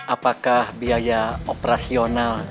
apakah biaya operasional